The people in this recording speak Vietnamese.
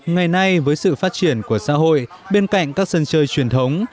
ngày nay với sự phát triển của xã hội bên cạnh các sân chơi truyền thống